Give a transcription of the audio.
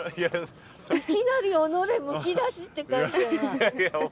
いきなり己むき出しって感じじゃない。